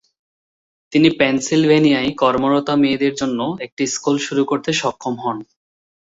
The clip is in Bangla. তিনি পেনসিলভেনিয়ায় কর্মরতা মেয়েদের জন্য একটি স্কুল শুরু করতে সক্ষম হন।